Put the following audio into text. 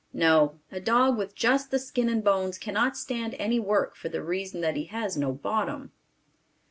No, a dog with just the skin and bones cannot stand any work for the reason that he has no bottom.